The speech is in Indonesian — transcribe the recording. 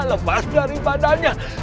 lepas dari badannya